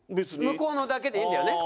向こうのだけでいいんだよね？